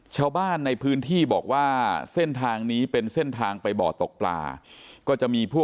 ชาวบ้านในพื้นที่บอกว่าเส้นทางนี้เป็นเส้นทางไปบ่อตกปลาก็จะมีพวก